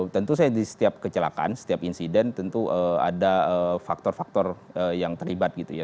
tentu saya di setiap kecelakaan setiap insiden tentu ada faktor faktor yang terlibat gitu ya